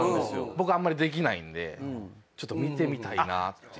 僕あんまできないんでちょっと見てみたいなっていう。